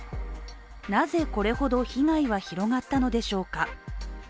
なぜ、これほど被害は広がったのでしょうか。